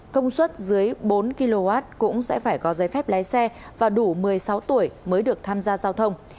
công suất dưới bốn kw cũng sẽ phải có giấy phép lái xe và đủ một mươi sáu tuổi mới được tham gia giao thông